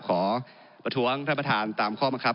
ขอประท้วงท่านประธานตามข้อบังคับ